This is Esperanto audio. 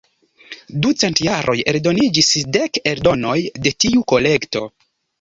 Dum cent jaroj eldoniĝis dek eldonoj de tiu kolekto.